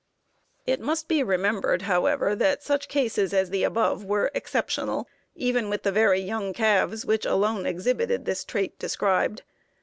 ] It must be remembered, however, that such cases as the above were exceptional, even with the very young calves, which alone exhibited the trait described.